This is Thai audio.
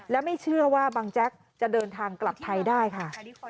และไม่เชื่อว่าบังแจ๊กจะเดินทางกลับไทยได้ค่ะ